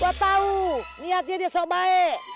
gua tau niatnya dia sok baik